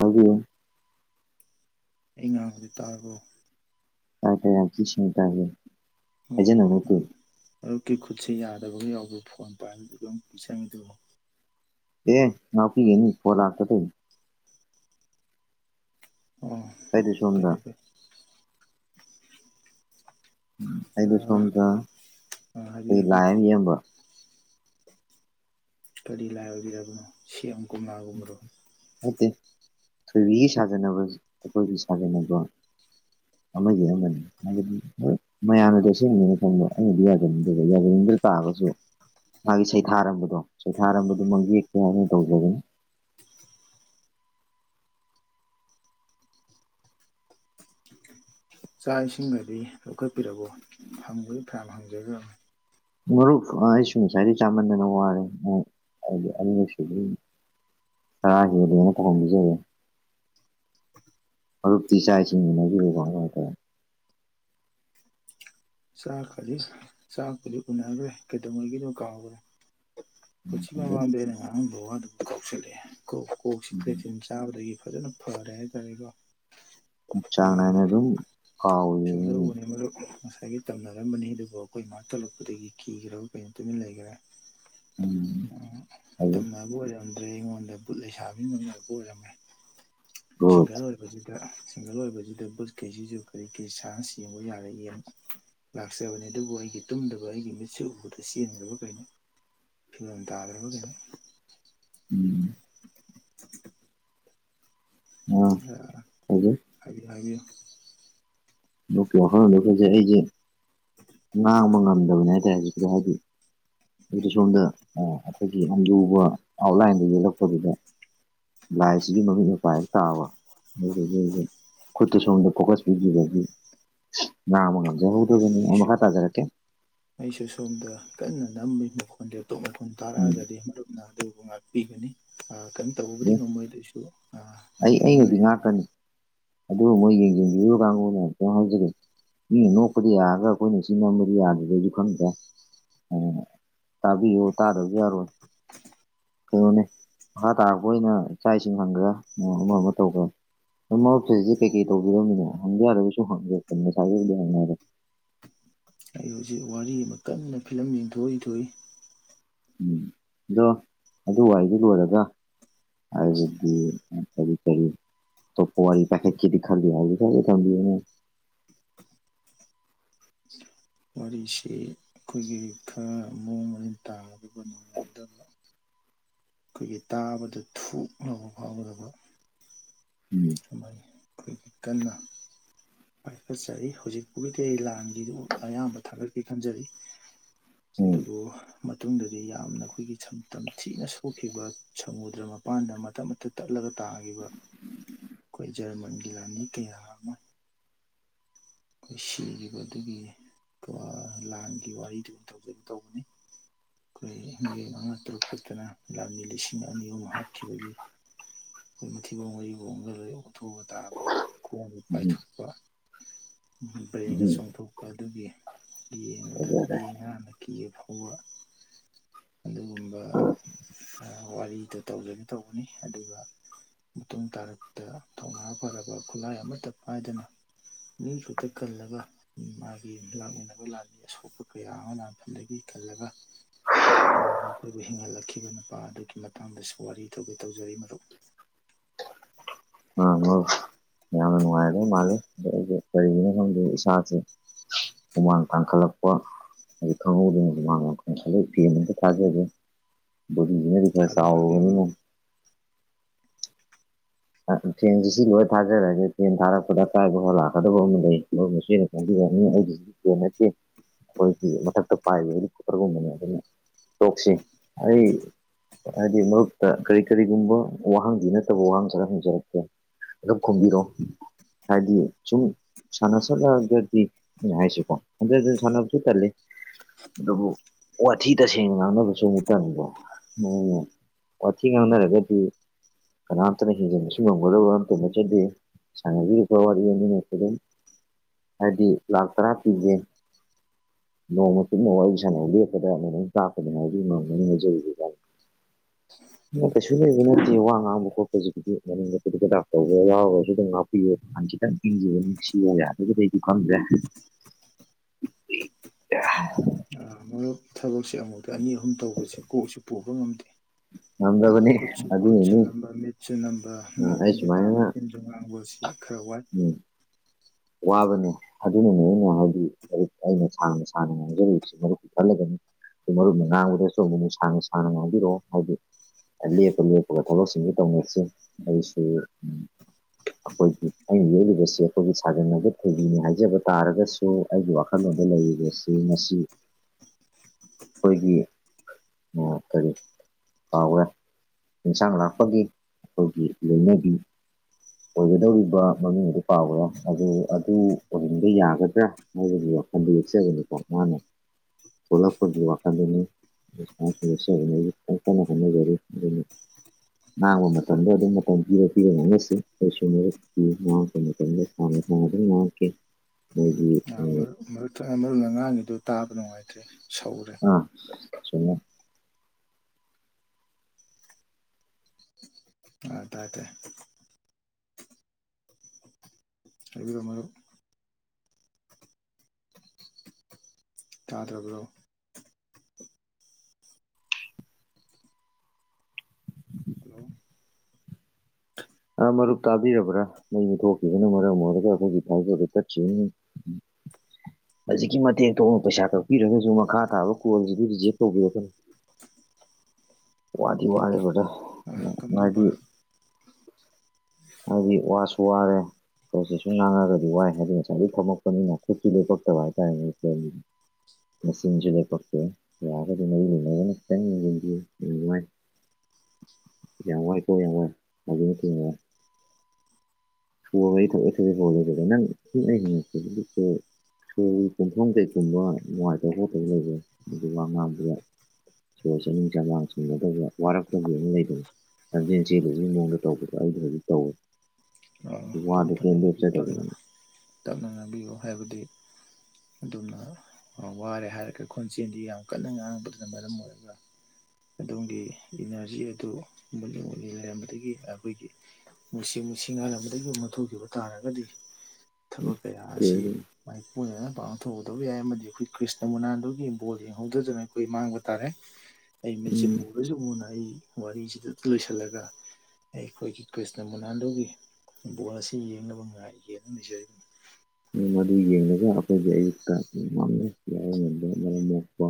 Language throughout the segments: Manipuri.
[unintelligible] ꯑꯩ ꯉꯥꯡꯕꯗꯤ ꯇꯥꯔꯕ꯭ꯔꯣ ꯅꯠꯇꯦ ꯅꯠꯇꯦ [unintelligible] ꯑꯣ ꯍꯥꯏꯖꯟꯅꯕ ꯅꯠꯇꯦ ꯃꯔꯨꯞ ꯃꯔꯨꯞꯀꯤ ꯈꯨꯠꯁꯤ ꯌꯥꯗꯕ ꯑꯃ ꯌꯥꯎꯕ꯭ꯔꯣ ꯐꯣꯟ ꯄꯥꯏꯕꯗꯨ ꯑꯗꯨꯝ ꯄꯤꯛꯁꯟ [unintelligible] ꯑꯦ ꯉꯥꯛꯄꯤꯒꯅꯤ ꯐꯣꯟ ꯂꯥꯛꯄꯗꯣ ꯑꯣ ꯑꯩꯗꯤ ꯁꯣꯝꯗ ꯀꯩꯗꯧꯒꯦ ꯎꯝ ꯑꯩꯗꯣ ꯑꯥ ꯁꯣꯝꯗ ꯑꯥ ꯍꯥꯏꯕꯤꯌꯨ ꯑꯩꯈꯣꯏ ꯍꯥꯏꯕꯤꯌꯨ ꯂꯥꯏ ꯑꯃ ꯌꯦꯛꯑꯝꯕ ꯀꯔꯤ ꯂꯥꯏ ꯑꯣꯏꯕꯤꯔꯕꯅꯣ ꯁꯦꯝ ꯀꯣꯝꯂꯒꯨꯝꯕꯔꯣ ꯅꯠꯇꯦ ꯊꯣꯏꯕꯤꯒꯤ ꯁꯥꯖꯟꯅꯕ ꯑꯩꯈꯣꯏꯒꯤ ꯁꯥꯖꯟꯅꯕ [inaudible] ꯑꯃꯒꯤ ꯑꯃꯅꯤ ꯍꯥꯏꯕꯗꯤ ꯍꯣꯏ ꯃꯌꯥꯝꯅꯗꯤ ꯑꯁꯦꯡꯕꯅꯦꯅ ꯈꯟꯕ ꯑꯩꯅꯗꯤ ꯌꯥꯖꯅꯤꯡꯗꯕ ꯌꯥꯖꯅꯤꯡꯗ ꯇꯥꯛꯑꯒꯁꯨ ꯃꯥꯒꯤ ꯁꯩꯊꯥꯔꯝꯕꯗꯣ ꯁꯩꯊꯥꯔꯝꯕꯗꯨ ꯃꯛ ꯌꯦꯛꯀꯦ ꯍꯥꯅ ꯇꯧꯖꯕꯅꯤ ꯆꯥꯛ ꯏꯁꯤꯡꯒꯗꯤ ꯂꯧꯈꯠꯄꯤꯔꯕꯣ ꯍꯪꯕꯗꯤ ꯐꯩꯅꯥꯝ ꯍꯪꯖꯒ꯭ꯔꯃꯤ ꯃꯔꯨꯞ ꯑ ꯑꯩꯁꯨ ꯉꯁꯥꯏꯗꯩ ꯆꯥꯃꯟꯗꯅ ꯋꯥꯔꯦ ꯑ ꯍꯥꯏꯗꯤ ꯑꯅꯤꯔꯛ ꯁꯨꯗꯣꯏꯅꯤ [unintelligible] ꯃꯔꯨꯞꯇꯤ ꯆꯥꯛ ꯏꯁꯤꯡ ꯎꯅꯕꯤꯔꯕ ꯀꯃꯥꯏ ꯀꯃꯥꯏ ꯇꯧꯋꯦ ꯆꯥꯛꯀꯗꯤ ꯆꯥꯛꯄꯨꯗꯤ ꯎꯅꯒ꯭ꯔꯦ ꯀꯩꯗꯧꯉꯩꯒꯤꯅꯣ ꯀꯥꯎꯒ꯭ꯔꯦ [unintelligible] ꯇꯧꯔꯦ ꯀꯣꯛꯀ ꯀꯣꯛ ꯆꯤꯛꯄꯅꯦ ꯆꯤꯝ ꯆꯥꯕꯗꯒꯤ ꯐꯖꯅ ꯐꯔꯦ ꯍꯥꯏꯇꯥꯔꯦꯀꯣ ꯆꯥꯡ ꯑꯥ ꯅꯥꯏꯅ ꯑꯗꯨꯝ [unintelligible] ꯐꯥꯎꯋꯤꯅꯦ ꯇꯝꯅꯔꯝꯕꯅꯤ ꯑꯗꯨꯕꯨ ꯑꯩꯈꯣꯏ ꯃꯥ ꯀꯜꯂꯛꯄꯗꯒꯤ ꯀꯤꯒ꯭ꯔꯕ ꯀꯩꯅꯣ ꯇꯨꯃꯤꯟ ꯂꯩꯒ꯭ꯔꯦ ꯎꯝ ꯐꯩꯌꯦ ꯇꯨꯝꯃꯦ ꯑꯗꯨ ꯑꯣꯏꯔꯝꯗ꯭ꯔꯦ ꯑꯩꯉꯣꯟꯗ ꯕꯨꯠ ꯂꯩꯁꯕꯤꯅ ꯂꯛꯅꯔꯛꯄ ꯑꯣꯏꯔꯝꯃꯦ ꯒꯨꯗ ꯁꯤꯡꯒꯜ ꯑꯣꯏ ꯃꯁꯤꯗ ꯁꯤꯡꯒꯜ ꯑꯣꯏꯕꯁꯤꯗ ꯕꯨꯠ ꯀꯩꯁꯤꯁꯨ ꯀꯔꯤ ꯀꯔꯤ ꯆꯥꯟꯁ ꯌꯦꯡꯕ ꯌꯥꯔꯦ ꯌꯦꯡ ꯂꯥꯛꯆꯕꯅꯤ ꯑꯗꯨꯕꯨ ꯑꯩꯒꯤ ꯇꯨꯝꯗꯕ ꯑꯩꯒꯤ ꯃꯤꯠꯁꯦ ꯎꯕꯗ ꯆꯦꯟꯒ꯭ꯔꯕ ꯀꯩꯅꯣ ꯐꯤꯂꯝ ꯇꯥꯗ꯭ꯔꯕ ꯀꯩꯅꯣ [unintelligible] [unintelligible] ꯑꯥ ꯑ ꯐꯖꯩ ꯍꯥꯏ ꯍꯥꯏꯌꯦ ꯅꯣꯛꯀꯤ ꯋꯥꯈꯜꯂꯣꯟꯗꯒꯖꯦ ꯑꯩꯖꯦ ꯉꯥꯡꯕ ꯉꯝꯗꯕꯅꯦ ꯍꯥꯏꯇꯥꯔꯦ ꯍꯧꯖꯤꯛꯀꯤꯗꯣ ꯍꯥꯏꯗꯤ ꯑꯗꯨꯗꯤ ꯁꯣꯝꯗ ꯑꯈꯣꯏꯒꯤ ꯌꯥꯝ ꯂꯨꯕ ꯑꯥꯎꯠꯂꯥꯏꯟꯗ ꯌꯦꯛꯂꯛꯄꯗꯨꯗ ꯂꯥꯏꯁꯤꯒꯤ ꯃꯃꯤꯠ ꯃꯄꯥ ꯍꯦꯛ ꯇꯥꯕ [unintelligible] ꯈꯨꯠꯇꯣꯁꯣꯝꯗ ꯐꯣꯀꯁ ꯄꯤꯈꯤꯕꯒꯤ ꯉꯥꯡꯕ ꯉꯝꯖꯍꯧꯗ꯭ꯔꯕꯅꯤꯅ ꯑ ꯑꯩꯁꯨ ꯃꯈꯥ ꯇꯥꯖꯔꯛꯀꯦ ꯑꯩꯁꯨ ꯁꯣꯝꯗ ꯀꯟꯅ ꯅꯝꯕꯒꯤ ꯃꯈꯣꯟꯗꯣ ꯑꯗꯣ ꯂꯦꯞꯇꯣꯞ ꯃꯈꯣꯟꯜ ꯎꯝ ꯇꯥꯔꯛꯑꯒꯗꯤ ꯑꯗꯨꯕꯨ ꯉꯥꯛꯄꯤꯒꯅꯤ ꯑ ꯀꯩꯝ ꯇꯧꯕꯕꯨꯗꯤ ꯑꯦ ꯉꯝꯃꯣꯏ ꯑꯗꯨꯏꯁꯨ ꯑꯩ ꯑꯩ ꯑꯗꯨꯝ ꯂꯩꯔ ꯑꯣꯏꯗꯤꯉꯥꯛꯀꯅꯤ ꯑꯗꯨꯕꯨ ꯃꯣꯏ ꯌꯦꯡꯖꯤꯟꯕꯤꯔꯤꯕ ꯀꯥꯡꯕꯨꯅ ꯑꯃꯨꯛꯇ ꯉꯥꯡꯖꯒꯦ ꯃꯤꯅ ꯅꯣꯛꯄꯗꯤ ꯌꯥꯔꯒ ꯑꯈꯣꯏꯅ ꯆꯤꯟ ꯅꯣꯝꯕꯗꯤ ꯌꯥꯗ꯭ꯔꯗꯤ ꯑꯈꯣꯏꯁꯦ ꯈꯪꯗ꯭ꯔꯦ ꯎꯝ ꯇꯥꯕꯤꯌꯣ ꯇꯥꯗꯕꯁꯨ ꯌꯥꯔꯣꯏ ꯀꯩꯅꯣꯅꯦ ꯃꯈꯥ ꯇꯥꯔꯛꯄ ꯑꯣꯏꯅ ꯏꯆꯥ ꯏꯁꯤꯡ ꯃꯪꯒꯦꯔ ꯅꯣꯡ ꯑꯃꯥ ꯑꯃꯥ ꯇꯧꯒꯦꯔ ꯄꯨꯝꯅꯃꯛ ꯑꯩ ꯍꯧꯖꯤꯛ ꯀꯩ ꯀꯩ ꯇꯧꯕꯤꯔꯝꯃꯤꯅꯦ ꯍꯪꯕ ꯌꯥꯔꯒꯁꯨ ꯍꯪꯉꯦ ꯉꯁꯥꯏꯗꯩꯕꯨꯗꯤ ꯍꯪꯅꯔꯦ ꯑꯩ ꯍꯧꯖꯤꯛ ꯋꯥꯔꯤ ꯑꯃ ꯀꯟꯅ ꯐꯤꯂꯝ ꯌꯦꯡꯊꯣꯛꯑ ꯏꯊꯣꯛꯏ ꯎꯝ ꯑꯗꯣ ꯑꯗꯨ ꯋꯥꯔꯤꯗꯣ ꯂꯣꯏꯔꯒ ꯍꯥꯏꯕꯗꯤ ꯀꯔꯤ ꯇꯧꯔꯤ ꯑꯇꯣꯞꯄ ꯋꯥꯔꯤ ꯄꯥꯏꯈꯠꯀꯦꯗꯤ ꯈꯟꯂꯤ [unintelligible] ꯋꯥꯔꯤꯁꯤ ꯑꯩꯈꯣꯏꯒꯤ ꯈꯔ ꯃꯑꯣꯡ ꯃꯔꯤꯟ ꯇꯥꯔꯗꯤ ꯅꯨꯡꯉꯥꯏꯒꯗꯕ ꯑꯩꯈꯣꯏꯒꯤ ꯇꯥꯕꯗ ꯊꯣꯛꯅꯕ ꯐꯥꯎꯒꯗꯕ ꯎꯝ [unintelligible] ꯑꯩꯈꯣꯏꯒꯤ ꯀꯟꯅ ꯄꯥꯏꯈꯠꯆꯔꯤ ꯍꯧꯖꯤꯛꯄꯨꯗꯤ ꯂꯥꯟꯒꯤꯗꯨ ꯑꯌꯥꯝꯕ ꯊꯥꯒꯠꯀꯦ ꯈꯟꯖꯔꯤ ꯎꯝ ꯑꯗꯨꯕꯨ ꯃꯇꯨꯡꯗꯗꯤ ꯌꯥꯝꯅ ꯑꯩꯈꯣꯏꯒꯤ ꯁꯝ ꯇꯝꯊꯤꯅ ꯁꯣꯛꯈꯤꯕ ꯁꯃꯨꯗ꯭ꯔ ꯃꯄꯥꯟꯗ ꯃꯇꯠ ꯃꯇꯠ ꯇꯠꯂꯒ ꯇꯥꯒꯤꯕ ꯑꯩꯈꯣꯏ ꯖꯔꯃꯟꯒꯤ ꯂꯥꯟꯃꯤ ꯀꯌꯥ ꯑꯃ ꯑꯩꯈꯣꯏ ꯁꯤꯒꯤꯕ ꯑꯗꯨꯒꯤꯅꯤ ꯄꯨꯔꯥ ꯂꯥꯟꯒꯤ ꯋꯥꯔꯤꯗꯨ ꯑꯣꯏꯅ ꯇꯧꯖꯦꯅ ꯇꯧꯕꯅꯤ ꯑꯩꯈꯣꯏꯒꯤ ꯃꯤꯑꯣꯏ ꯃꯉꯥ ꯇꯔꯨꯛ ꯈꯛꯇꯅ ꯂꯥꯟꯃꯤ ꯂꯤꯁꯤꯡ ꯑꯅꯤ ꯑꯍꯨꯝ ꯍꯥꯠꯈꯤꯕꯒꯤ ꯃꯊꯤꯕꯣꯡ ꯃꯔꯤꯕꯣꯡꯒꯖꯦ ꯑꯣꯊꯣꯛꯑꯒ ꯇꯥꯕ ꯈꯣꯡ ꯎꯝ ꯄꯥꯏꯊꯣꯛꯄ ꯕ꯭ꯔꯦꯟꯒ ꯎꯝ ꯆꯨꯝꯊꯣꯛꯎ ꯑꯗꯨꯒꯤ ꯌꯦꯡꯕꯗ ꯐꯖꯔꯦ ꯅꯨꯄꯤ ꯑꯉꯥꯡꯅ ꯀꯤꯕ ꯐꯥꯎꯕ ꯑꯗꯨꯒꯨꯝꯕ ꯑ ꯋꯥꯔꯤꯗꯨ ꯇꯧꯖꯒꯦ ꯇꯧꯕꯅꯤ ꯑꯗꯨꯒ ꯃꯇꯨꯡ ꯇꯥꯔꯛꯇ ꯊꯧꯅꯥ ꯐꯔꯕ ꯈꯨꯠꯂꯥꯏ ꯑꯃꯠꯇ ꯄꯥꯏꯗꯅ ꯃꯤ ꯁꯨꯨꯠꯇ ꯀꯜꯂꯒ ꯃꯥꯒꯤ ꯂꯥꯛꯃꯤꯟꯅꯕ ꯂꯥꯟꯃꯤ ꯑꯁꯣꯛꯄ ꯀꯌꯥ ꯑꯃꯥ ꯂꯥꯟꯐꯝꯗꯒꯤ ꯀꯜꯂꯒ ꯃꯈꯣꯏꯕꯨ ꯍꯤꯡꯍꯜꯂꯛꯈꯤꯕ ꯅꯨꯄꯥ ꯑꯗꯨꯒꯤ ꯃꯇꯥꯡꯗꯁꯨ ꯋꯥꯔꯤ ꯇꯧꯒꯦ ꯇꯧꯖꯔꯤ ꯃꯔꯨꯞ ꯑꯥ ꯃꯔꯨꯞ ꯌꯥꯝꯅ ꯅꯨꯡꯉꯥꯏꯔꯦ ꯃꯥꯜꯂꯤ ꯑꯗꯣ ꯑꯩꯖꯦ ꯀꯔꯤꯒꯤꯅꯣ ꯈꯪꯗꯦ ꯏꯁꯥꯁꯦ ꯍꯨꯃꯥꯡ ꯀꯥꯡꯈꯠꯂꯛꯄ ꯑꯩ ꯈꯪꯍꯧꯗꯅ [unintelligible] ꯐꯦꯟ ꯑꯝꯇ ꯊꯥꯖꯗꯦ ꯊꯥꯕꯤꯌꯨ ꯊꯥꯕꯤꯌꯨ ꯃꯔꯨꯞ [unintelligible] [unintelligible] ꯑ ꯐꯦꯟꯁꯤ ꯁꯤ ꯂꯣꯏ ꯊꯥꯖꯔꯛꯑꯒꯦ ꯐꯦꯟ ꯊꯥꯔꯛꯄꯗ ꯑꯀꯥꯏꯕ ꯈ ꯂꯥꯛꯀꯗꯕ ꯑꯃ ꯂꯩ ꯑꯗꯨꯅ [unintelligible] ꯑꯩꯒꯤ [unintelligible] ꯑꯈꯣꯏꯒꯤ ꯃꯊꯛꯇ ꯄꯥꯏꯕ ꯍꯦꯂꯤꯀꯣꯞꯇꯔꯒꯨꯝꯕꯅꯤ ꯑꯗꯨꯅ ꯇꯣꯛꯁꯤ ꯑꯩ ꯍꯥꯏꯗꯤ ꯃꯔꯨꯞꯇ ꯀꯔꯤ ꯀꯔꯤꯒꯨꯝꯕ ꯋꯥꯍꯪꯗꯤ ꯅꯠꯇꯕ ꯋꯥꯍꯪ ꯈꯔ ꯍꯪꯖꯔꯛꯀꯦ ꯑꯗꯨꯝ ꯈꯨꯝꯕꯤꯔꯣ ꯍꯥꯏꯗꯤ ꯁꯨꯝ ꯁꯅ ꯁꯂꯗꯤ ꯍꯥꯏꯁꯤ ꯀꯣ ꯍꯟꯖꯤꯟ ꯍꯟꯖꯤꯟ ꯁꯅꯕꯨꯁꯨ ꯇꯜꯂꯤ ꯑꯗꯨꯕꯨ ꯋꯥꯊꯤ ꯇꯁꯦꯡꯅ ꯉꯥꯡꯅꯕꯁꯨ ꯑꯃꯨꯛ ꯇꯟꯗ꯭ꯔꯣ [unintelligible] ꯋꯥꯊꯤ ꯉꯥꯡꯅꯔꯒꯗꯤ ꯀꯅꯥꯝ ꯑꯈꯣꯏꯅ ꯍꯦꯟꯖꯟꯕꯁꯨ ꯉꯝꯒꯗꯕ ꯑꯝꯇ ꯅꯠꯆꯗꯦ ꯁꯥꯟꯕꯤꯔꯤꯕ ꯋꯥꯔꯤ ꯑꯅꯤꯃꯛꯁꯦ ꯑꯗꯨꯝ ꯍꯥꯏꯗꯤ ꯂꯥꯛ ꯇꯔꯥ ꯄꯤꯒꯦ ꯅꯣꯡꯃ ꯀꯨꯞꯅ ꯋꯥꯔꯤ ꯁꯥꯟꯅ ꯂꯦꯞꯄꯗ ꯅꯣꯡꯃ ꯀꯥꯞꯀꯅꯤ ꯑꯗꯨ ꯉꯝꯒꯅꯤ ꯍꯥꯏꯖꯔꯤꯕ ꯀꯣ. [inaudible] ꯗꯨꯅ ꯀꯩꯁꯨ ꯂꯩꯕ ꯅꯠꯇꯦ ꯋꯥ ꯉꯥꯡꯕ ꯈꯣꯠꯄ [unintelligible] ꯑꯗꯨꯗꯤ ꯑꯩꯁꯨ ꯈꯪꯗ꯭ꯔꯦ [inaudible] [unintelligible] [unintelligible] ꯊꯕꯛꯁꯦ ꯑꯃꯨꯛꯇ ꯑꯅꯤ ꯑꯍꯨꯝ ꯇꯧꯕꯁꯤ ꯀꯣꯛꯁꯦ ꯄꯨꯕ ꯉꯝꯗꯦ ꯑ ꯉꯝꯗꯕꯅꯤ ꯈꯨꯠꯁꯨ ꯈꯨꯠꯁꯨ ꯑꯗꯨꯅꯅꯤ ꯅꯝꯕ ꯃꯤꯠꯁꯨ ꯅꯝꯕ ꯑꯩ ꯅꯥꯀꯣꯡꯗꯤ ꯇꯥꯕ ꯁꯨꯃꯥꯏꯅ ꯈꯦꯠꯅꯩ ꯉꯥꯡꯕ ꯑꯁꯤ ꯈꯔ ꯋꯥꯏ ꯎꯝ ꯋꯥꯕꯅꯦ ꯑꯗꯨꯅꯅꯦ ꯑꯩꯅ ꯍꯥꯏꯗꯤ ꯃꯔꯨꯞ ꯑꯩꯅ ꯁꯥꯡꯅ ꯁꯥꯡꯅ ꯉꯥꯡꯖꯔꯤꯕꯁꯤ ꯃꯔꯨꯞꯀꯤ ꯈꯜꯂꯒꯅꯤ ꯃꯔꯨꯞꯅ ꯉꯥꯡꯕꯗꯣ ꯆꯨꯝꯕꯅꯤ ꯁꯥꯡꯅ ꯁꯥꯡꯅ ꯉꯥꯡꯕꯤꯔꯛꯑꯣ ꯍꯥꯏꯗꯤ ꯑ ꯂꯦꯞꯄ ꯂꯦꯞꯄꯒ ꯊꯕꯛꯁꯤꯡꯗꯣ ꯇꯧꯅꯁꯤ ꯑꯩꯁꯨ ꯑꯩꯈꯣꯏꯒꯤ ꯑꯩꯅ ꯌꯦꯛꯂꯤꯕꯁꯤ ꯑꯩꯈꯣꯏꯒꯤ ꯁꯥꯖꯟꯅꯕ ꯊꯣꯏꯕꯤꯅꯤ ꯍꯥꯏꯖꯕ ꯇꯥꯔꯒꯁꯨ ꯑꯩꯒꯤ ꯋꯥꯈꯜꯂꯣꯟꯗ ꯂꯩꯔꯤꯕꯁꯤ ꯉꯁꯤ ꯑꯈꯣꯏ ꯗꯤ ꯑ ꯀꯔꯤ ꯀꯥꯎꯒ꯭ꯔꯣ ꯆꯤꯡꯁꯥꯡ ꯂꯥꯛꯄꯒꯤ ꯑꯈꯣꯏꯒꯤ ꯂꯣꯏꯅꯕꯤ ꯑꯣꯏꯒꯗꯧꯔꯤꯕ ꯃꯃꯤꯡ ꯑꯗꯨ ꯀꯥꯎꯒ꯭ꯔꯦ ꯑꯗꯨ ꯑꯗꯨ ꯑꯣꯏꯍꯟꯕ ꯌꯥꯒꯗ꯭ꯔꯥ [unintelligible] [unintelligible] ꯄꯣꯛꯂꯥꯛꯄꯒꯤ ꯋꯥꯈꯟꯗꯨꯅꯤ [unintelligible] [unintelligible] ꯀꯟꯅ ꯍꯣꯠꯅꯖꯔꯤ ꯑꯗꯨꯅ ꯉꯥꯡꯕ ꯃꯇꯝꯗ ꯑꯗꯨꯝ ꯃꯇꯝ ꯄꯤꯔ ꯄꯤꯕ ꯉꯝꯂꯁꯨ ꯀꯩꯁꯨ ꯄꯤ ꯉꯥꯡꯉꯛꯄ ꯃꯇꯝꯗꯁꯨ ꯁ ꯑꯗꯨ ꯉꯦ [unintelligible] ꯃꯔ ꯃꯔꯨ ꯉꯥꯡꯉꯤꯗꯣ ꯇꯥꯕ ꯅꯨꯡꯉꯥꯏꯇ꯭ꯔꯦ ꯁꯧꯔꯦ ꯑ ꯆꯨꯝꯃꯦ ꯑ ꯇꯗꯦ ꯑꯩ ꯑꯃꯣ ꯇꯥꯗ꯭ꯔꯕ꯭ꯔꯣ ꯍꯜꯂꯣ ꯑꯥ ꯃꯔꯨꯞ ꯇꯥꯕꯤꯔꯕ꯭ꯔꯥ ꯃꯩꯅ ꯊꯣꯛꯈꯤꯕꯗꯨꯅ ꯃꯔꯝ ꯑꯣꯏꯔꯒ ꯑꯩꯈꯣꯏꯒꯤ ꯊꯥꯏꯖꯗ ꯇꯠꯁꯤꯅꯤ [inaudible] ꯍꯧꯖꯤꯛꯀꯤ ꯃꯇꯦꯛ ꯇꯅ ꯄꯩꯁꯥ ꯀꯛꯄꯤꯔꯒꯁꯨ ꯃꯈꯥ ꯇꯥꯕ ꯀꯣꯜꯁꯤꯗꯤ ꯔꯤꯖꯦꯛ ꯇꯧꯕꯤꯔꯛꯀꯅꯤꯨ ꯋꯥꯗꯤ ꯋꯥꯔꯦ ꯕ꯭ꯔꯗꯔ ꯀꯟꯗꯕ ꯍꯥꯏꯗꯤ ꯍꯥꯏꯗꯤ ꯋꯥꯁꯨ ꯋꯥꯔꯦ ꯄꯣꯁꯦ ꯁꯨꯝ ꯉꯥꯡꯗꯤꯕꯤ ꯋꯥꯏ ꯍꯥꯏꯗꯤ ꯉꯁꯥꯏꯗꯒꯤ ꯐꯝꯃꯛꯄꯅꯤꯅ ꯈꯨꯠꯀꯤ ꯂꯦꯞꯄꯛꯇꯕ ꯍꯥꯏꯇꯥꯔꯦꯅꯦ ꯐꯒꯤꯗꯤ ꯃꯖꯤꯟꯁꯨ ꯂꯦꯄꯇꯦ ꯌꯥꯔꯒꯗꯤ ꯃꯔꯤ ꯂꯩꯅꯕꯅ ꯈꯤꯗꯪ ꯌꯦꯡꯕꯤꯔꯗꯤ ꯅꯨꯡꯥꯢ [unintelligible] ꯌꯥꯝ ꯋꯥꯏ ꯀ ꯌꯥꯝꯡ ꯋꯥꯏ ꯑꯗꯨꯅꯨꯡꯉꯏ ꯁꯣꯔꯒꯁꯤ ꯊꯕꯦꯠ ꯊꯕꯦꯠ ꯍꯣꯜꯂ [unintelligible] ꯅꯪ ꯁꯉ ꯍ ꯁꯨ ꯀꯨꯝꯊꯣꯡ ꯀꯩꯀꯨꯝꯕ ꯅꯨꯡꯉꯥꯏꯇꯕ ꯈꯣꯠꯇꯕ ꯂꯩꯕꯦ ꯑꯗꯨꯒ ꯑꯉꯥꯡꯗꯨꯗ ꯆꯣꯔ ꯆꯥꯅꯤꯡ ꯆꯃꯥꯡ ꯁꯝꯗꯧꯕ ꯋꯥꯔꯛꯇꯒꯤ ꯑꯃ ꯂꯩꯕꯅꯤ ꯂꯝꯟꯖꯦꯜ ꯆꯦꯜꯂꯨꯢ ꯅꯣꯡꯒ ꯇꯧꯕꯗꯣ ꯑꯩꯖꯨ ꯍꯧꯖꯤꯛ ꯇꯧꯋꯦ ꯑꯥ ꯑꯗꯨ ꯐꯅꯤ ꯋꯥꯗ ꯐꯅꯤ ꯀꯩꯅꯣ ꯑꯗꯨ ꯆꯠ ꯇꯞꯅ ꯇꯞꯅ ꯉꯥꯏꯕꯤꯌꯨ ꯍꯥꯏꯕꯗꯤ ꯑꯗꯨꯅ ꯋꯥꯔꯦ ꯍꯥꯏꯔꯒ ꯈꯣꯟꯆꯦꯜꯗꯤ ꯌꯥꯝ ꯀꯟꯅ ꯉꯥꯡꯕꯗꯨꯅ ꯃꯔꯝ ꯑꯣꯏꯕ꯭ꯔꯥ ꯑꯗꯣꯝꯒꯤ ꯏꯅꯔꯖꯤ ꯑꯗꯨ ꯃꯨꯂꯤ ꯃꯨꯂꯤ ꯂꯩꯔꯝꯕꯗꯒꯤ ꯑꯩꯈꯣꯏꯒꯤ ꯅꯨꯡꯁꯤ ꯅꯨꯡ ꯉꯥꯏꯜꯂꯝꯕꯗꯒꯤ ꯃꯟꯊꯣꯛꯈꯤꯕ ꯇꯥꯔꯒꯗꯤ ꯊꯕꯛ ꯀꯌꯥ ꯑꯁꯤ ꯃꯥꯏ ꯄꯨꯅꯅ ꯄꯥꯛꯊꯣꯛꯎꯗꯕ ꯌꯥꯏ ꯑꯃꯗꯤ ꯑꯩꯈꯣꯏ ꯀ꯭ꯔꯤꯁꯅ ꯃꯨꯅꯥꯟꯗꯨꯒꯤ ꯕꯣꯜ ꯌꯦꯡꯍꯧꯗꯗꯅ ꯑꯩꯈꯣꯏ ꯃꯥꯡꯕ ꯇꯥꯔꯦ ꯑꯩꯃꯦꯁꯤ ꯎꯝ ꯍꯧꯖꯤꯛ ꯃꯨꯅ ꯑꯩ ꯋꯥꯔꯤꯁꯤꯗ ꯂꯣꯏꯁꯤꯜꯂꯒ ꯑꯩ ꯑꯩꯈꯣꯏꯒꯤ ꯀ꯭ꯔꯤꯁꯅ ꯃꯨꯅꯥꯟꯗꯨꯒꯤ ꯐꯣꯟ ꯑꯁꯤ ꯌꯦꯡꯅꯕ ꯉꯥꯏꯒꯦꯅ ꯂꯩꯖꯔꯤꯅꯤ ꯃꯗꯨ ꯌꯦꯡꯂꯉꯒ ꯑꯩꯈꯣꯏꯒꯤ ꯑꯌꯨꯛꯇ ꯃꯥꯡꯖꯈꯤꯕ ꯑꯔꯕꯗ ꯃꯔꯝ ꯃꯣꯛꯄ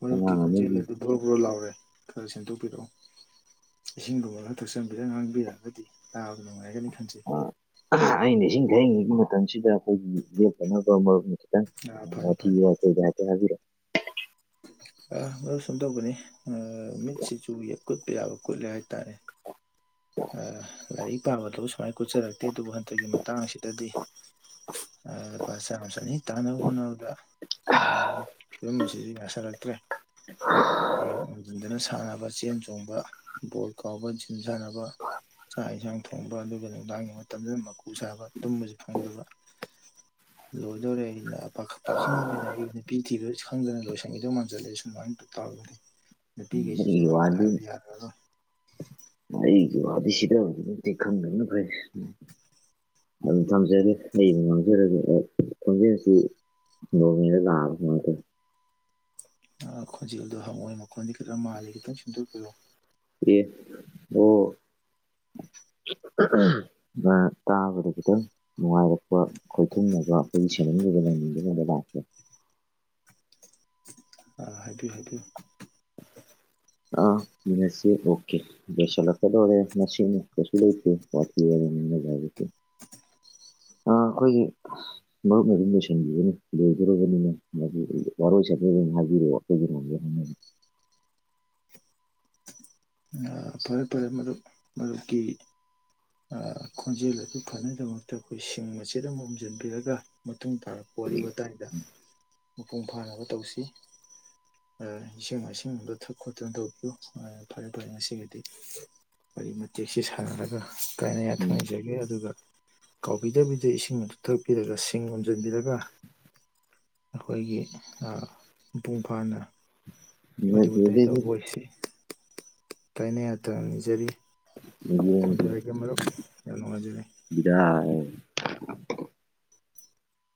ꯃꯔꯨꯞꯀꯤ ꯑꯉꯥꯡ ꯈꯣꯟꯖꯦꯜ ꯑꯃꯒꯤ ꯑꯗꯨ ꯕꯣꯔꯣ ꯕꯣꯔꯣ ꯂꯥꯎꯔꯦ ꯈꯔ ꯁꯦꯝꯦꯡꯗꯣꯛꯄꯤꯔꯛꯑꯣ ꯏꯁꯤꯡꯗꯨ ꯍ ꯊꯛꯆꯟꯕꯤꯔ ꯉꯥꯡꯕꯤꯔꯛꯑꯒꯗꯤ ꯇꯥꯕ ꯅꯨꯡꯉꯥꯏꯒꯅꯤ ꯈꯟꯖꯩ ꯑꯩꯅ ꯏꯁꯤꯡ ꯊꯩꯉꯩꯒꯤ ꯃꯇꯝꯁꯤꯗ ꯑꯩꯈꯣꯏꯒꯤ ꯌꯦꯠꯇꯅꯕ ꯃꯔꯨꯞꯅꯤ ꯑꯥ ꯐꯅꯤ ꯐꯅꯤ ꯋꯥ ꯌꯥꯀ ꯍꯥꯏ ꯐꯔ ꯑ ꯃꯗꯨ ꯁꯨꯝ ꯇꯧꯕꯅꯤ ꯃꯤꯠꯁꯤꯁꯨ ꯀꯨꯠꯄ ꯌꯥꯕ ꯀꯨꯠꯂꯦ ꯍꯥꯏꯇꯥꯔꯦ ꯂꯥꯏꯔꯤꯛ ꯄꯥꯕꯗꯕꯨ ꯁꯨꯃꯥꯏꯅ ꯀꯣꯠꯆꯔꯛꯇꯦ ꯑꯗꯨꯕꯨ ꯍꯟꯇꯛꯀꯤ ꯃꯇꯥꯡ ꯑꯁꯤꯗꯗꯤ ꯑ ꯄ ꯆꯁꯅꯤ ꯇꯥꯟꯅꯕ ꯍꯣꯠꯅꯕꯗ ꯑ ꯐꯤꯕꯝ ꯁꯤꯗꯤ ꯌꯥꯁꯤꯜꯂꯛꯇ꯭ꯔꯦ ꯍꯌꯦꯡ ꯉꯝꯖꯤꯟꯗꯅ ꯁꯥꯟꯅꯕ ꯆꯦꯟ ꯆꯣꯡꯕ ꯕꯣꯜ ꯀꯥꯎꯕ ꯖꯤꯟ ꯁꯥꯟꯅꯕ ꯆꯥꯛ ꯌꯦꯟꯁꯥꯡ ꯊꯣꯡꯕ ꯑꯗꯨꯒ ꯅꯨꯡꯗꯥꯡꯒꯤ ꯃꯇꯝꯗ ꯃꯀꯨ ꯁꯥꯕ ꯇꯨꯝꯕꯁꯨ ꯐꯪꯗꯕ [inaudible] ꯂꯣꯏꯗꯧꯔꯦ ꯑꯩꯅ ꯄꯥꯈꯪ ꯑꯣꯏꯅ ꯑꯩ ꯅꯨꯄꯤ ꯊꯤꯕ ꯈꯪꯗꯅ ꯂꯣꯏꯁꯟꯈꯤꯗꯧ ꯃꯥꯟ ꯆꯠꯂꯦ ꯁꯨꯃꯥꯏꯅ ꯇꯧꯔꯒꯗꯤ ꯅꯨꯄꯤꯈꯩꯁꯤꯁꯨ ꯑꯩꯒꯤ ꯑꯝꯇ ꯍꯥꯏꯕ ꯌꯥꯗ ꯑꯗꯣ ꯑꯩꯁꯨ ꯋꯥꯗꯤ ꯁꯤꯗꯕꯕꯨꯗꯤ ꯐꯔ ꯑꯗꯨꯝ ꯊꯝꯖꯒꯦ ꯍꯌꯦꯡ ꯉꯝꯖꯔꯒꯦ ꯈꯣꯡꯖꯦꯜꯁꯤ ꯃꯤ ꯂꯔꯦ ꯈꯣꯟꯖꯦꯜꯗꯣ ꯍꯪꯉꯣꯏ ꯃꯈꯣꯟꯗꯤꯦ ꯈꯤꯇ ꯃꯥꯜꯜꯂꯤꯦ ꯈꯤꯇꯪ ꯁ ꯁꯦꯝꯗꯣꯛꯄꯤꯔꯣ ꯌꯦ ꯑꯣ ꯑ ꯇꯥꯒꯔ ꯀꯇꯣ ꯅꯨꯡꯉꯥꯏꯔꯛꯄ ꯈꯣꯏꯊꯨꯝꯅꯕ ꯑꯩꯈꯣꯏꯒꯤ ꯁꯦꯟꯔꯗꯨꯗ ꯂꯩꯃꯤꯗꯅꯕ ꯂꯥꯛꯄ ꯑ ꯍꯇ ꯍꯇ ꯑ ꯃꯁꯤ ꯑꯣꯀꯦ ꯗꯦꯁꯂꯗꯔꯦ ꯃꯁꯤꯤꯟ ꯎꯛꯇꯁ ꯂꯩꯦ ꯄꯊꯅ ꯁꯤ ꯑ ꯑꯩꯈꯣꯏꯒꯤ ꯃꯔꯨꯞꯅ ꯑꯗꯨꯝ ꯂꯣꯏꯁꯤꯟꯕꯤꯔꯣꯅꯦ ꯂꯣꯏꯗꯣꯔꯕꯅꯤꯅ ꯋꯥꯔꯣꯏ ꯆꯄꯅꯤ ꯍꯥꯏꯕꯤꯔꯛꯑꯣ ꯑꯩꯈꯣꯏꯒꯤ ꯉꯝꯒꯦ ꯍꯣꯠꯅꯒꯦ ꯎꯝ [inaudible] ꯐꯔꯦ ꯐꯔꯦ ꯃꯔꯨꯞ ꯃꯔꯨꯞꯀꯤ ꯈꯣꯟꯖꯦꯜ ꯑꯗꯨ ꯐꯅꯕꯒꯤꯗꯃꯛꯇ ꯑꯩꯈꯣꯏ ꯁꯤꯡ ꯃꯆꯦꯠ ꯑꯃ ꯎꯨꯝꯖꯤꯟꯕꯤꯔꯒ ꯃꯇꯨꯡ ꯇꯥꯔꯛꯄ ꯋꯥꯔꯤ ꯋꯥꯇꯥꯏꯗ ꯃꯄꯨꯡ ꯐꯥꯅꯕ ꯇꯧꯁꯤ ꯏꯁꯤꯡ ꯃꯥꯏꯁꯤꯡ ꯑꯝꯇ ꯊꯛ ꯈꯣꯠꯇꯅ ꯇꯧꯕꯤꯌꯨ ꯐꯔꯦ ꯐꯔꯦ ꯉꯁꯤꯒꯤꯗꯤ ꯋꯥꯔꯤ ꯃꯇꯦꯛꯁꯤ ꯁꯥꯟꯅꯔꯒ ꯀꯥꯏꯅ ꯌꯥꯊꯪ ꯅꯤꯖꯒꯦ ꯑꯗꯨꯒ ꯀꯥꯎꯕꯤꯗꯕꯤꯗ ꯏꯁꯤꯡ ꯑꯗꯨ ꯊꯛꯄꯤꯔꯒ ꯁꯤꯡ ꯎꯝꯖꯤꯟꯕꯤꯔꯒ ꯑꯩꯈꯣꯏꯒꯤ ꯑ ꯃꯄꯨꯡ ꯐꯥꯅ ꯋꯥꯔꯤ ꯋꯥꯇꯥꯏ ꯇꯧꯕ ꯑꯣꯏꯁꯤ ꯀꯥꯏꯅ ꯌꯥꯊꯪ ꯅꯤꯖꯔꯤ ꯊꯝꯖꯔꯒꯦ ꯃꯔꯨꯞ ꯌꯥꯝ ꯅꯨꯡꯉꯥꯏꯖꯔꯦ ꯕꯤꯗꯥꯏ